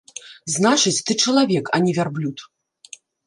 Значыць, ты чалавек, а не вярблюд.